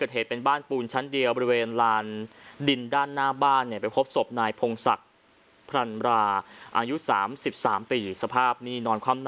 ห่ะอื่ม